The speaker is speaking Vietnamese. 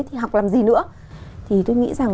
thì học làm gì nữa thì tôi nghĩ rằng